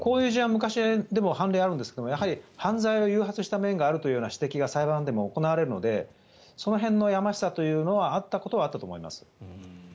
昔でも判例があるんですが犯罪を誘発した面があるという指摘を裁判でも行われるのでその辺のやましさというのはあったことはあったと思います。